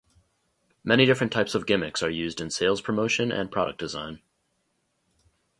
Many different types of gimmicks are used in sales promotion and product design.